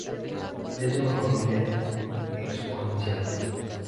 Es una familia exponencial.